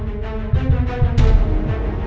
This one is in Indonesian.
sayang kamu coba sembuh ya nak